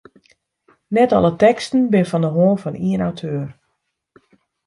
Net alle teksten binne fan de hân fan ien auteur.